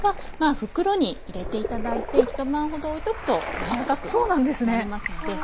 袋に入れて頂いて一晩ほどおいとくと柔らかくなりますので。